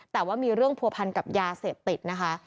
แต่ว่ามีเรื่องผัวพันกับยาเสพติดนะคะ